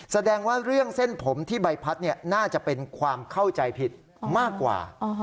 แสดงว่าเรื่องเส้นผมที่ใบพัดน่าจะเป็นความเข้าใจผิดมากกว่า